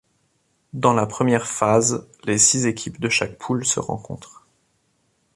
Dans la première phase les six équipes de chaque poule se rencontrent.